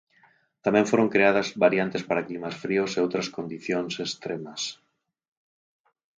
Tamén foron creadas variantes para climas fríos e outras condicións extremas.